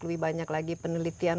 lebih banyak lagi penelitian